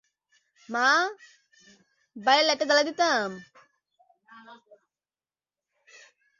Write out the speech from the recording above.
চীনা স্থাপত্য শৈলীর আদলে মসজিদটি নির্মাণ করা হয়েছে।